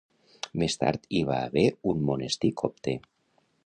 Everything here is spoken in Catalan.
Més tard hi va haver un monestir copte.